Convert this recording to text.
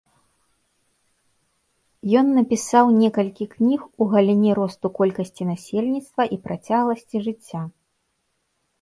Ён напісаў некалькі кніг у галіне росту колькасці насельніцтва і працягласці жыцця.